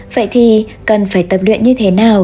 vậy thì cần phải tập luyện như thế nào